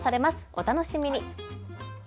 お楽しみに。